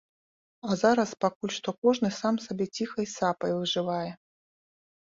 А зараз пакуль што кожны сам сабе ціхай сапай выжывае.